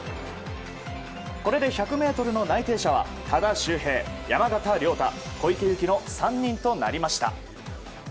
これで１００ｍの内定者は多田修平山縣亮太、小池祐樹の３人となりました。